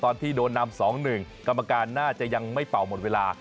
ตอนที่โดนนำ๒๑กรรมการน่าจะยังไม่เป่าหมดเวลา